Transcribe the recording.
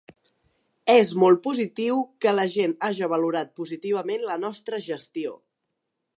És molt positiu que la gent haja valorat positivament la nostra gestió.